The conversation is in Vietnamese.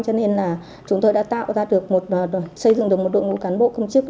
cho nên chúng tôi đã xây dựng được một đội ngũ cán bộ công chức